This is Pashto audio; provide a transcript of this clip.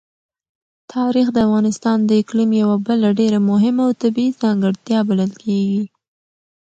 تاریخ د افغانستان د اقلیم یوه بله ډېره مهمه او طبیعي ځانګړتیا بلل کېږي.